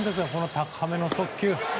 高めの速球。